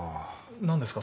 何ですか？